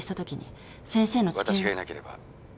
私がいなければ。